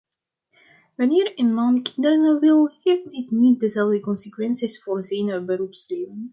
Wanneer een man kinderen wil, heeft dit niet dezelfde consequenties voor zijn beroepsleven.